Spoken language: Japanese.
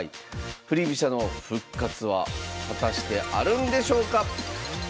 振り飛車の復活は果たしてあるんでしょうか